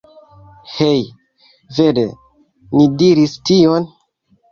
Hej? Vere? Li diris tion?